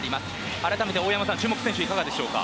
改めて大山さん注目選手はいかがですか。